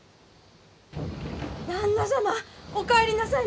・・旦那様お帰りなさいまし！